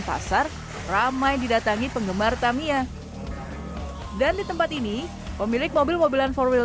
pasar ramai didatangi penggemar tamiya dan di tempat ini pemilik mobil mobil and four wheel